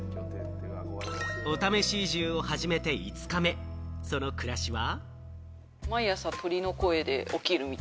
お試し移住を始めて５日目、その暮らしは。